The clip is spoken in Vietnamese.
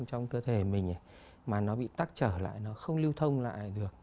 trong cơ thể mình mà nó bị tắc trở lại nó không lưu thông lại được